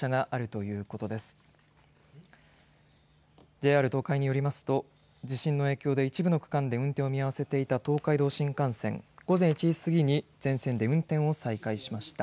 ＪＲ東海によりますと地震の影響で一部の区間で運転を見合わせていた東海道新幹線は午前１時過ぎに全線で運転を再開しました。